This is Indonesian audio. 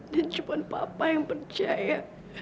dan cuma papa yang percaya